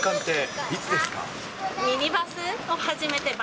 ミニバスを始めて。